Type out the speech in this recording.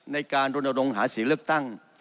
ในการลงหาศีลเลือกตั้ง